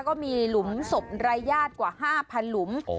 ก็มีหลุมศพรายญาติกว่า๕๐๐หลุม